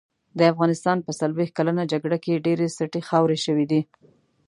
د افغانستان په څلوښت کلنه جګړه کې ډېرې سټې خاورې شوې دي.